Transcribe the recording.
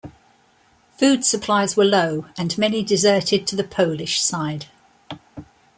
Food supplies were low, and many deserted to the Polish side.